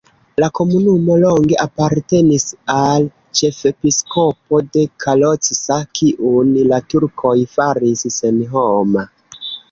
La komunumo longe apartenis al ĉefepiskopo de Kalocsa, kiun la turkoj faris senhoma.